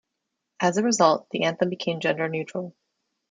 As a result, the anthem became gender-neutral.